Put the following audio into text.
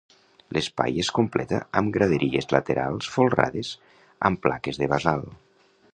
L'espai es completa amb graderies laterals folrades amb plaques de basalt.